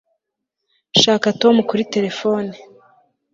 Shaka Tom kuri terefone